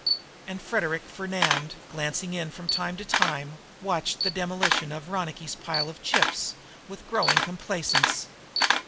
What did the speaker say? And Frederic Fernand, glancing in from time to time, watched the demolition of Ronicky's pile of chips, with growing complacence.